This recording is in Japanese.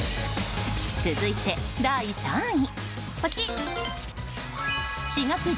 続いて第３位。